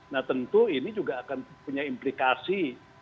nah tentu ini juga akan punya implikasi